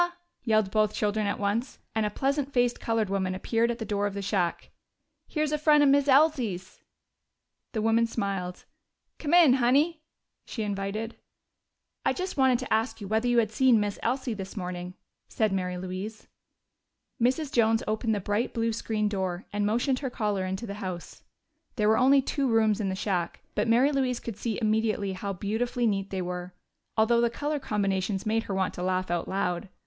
yelled both children at once, and a pleasant faced colored woman appeared at the door of the shack. "Here's a frien' of Miz Elsie's!" The woman smiled. "Come in, Honey," she invited. "I just wanted to ask you whether you had seen Miss Elsie this morning," said Mary Louise. Mrs. Jones opened the bright blue screen door and motioned her caller into her house. There were only two rooms in the shack, but Mary Louise could see immediately how beautifully neat they were, although the color combinations made her want to laugh out loud.